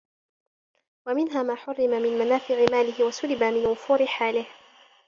وَمِنْهَا مَا حُرِمَ مِنْ مَنَافِعِ مَالِهِ ، وَسُلِبَ مِنْ وُفُورِ حَالِهِ